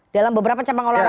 dalam beberapa capang olahraga